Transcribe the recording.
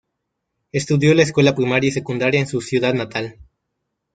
Estudió la escuela primaria y secundaria en su ciudad natal.